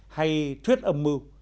hay thuyết âm mưu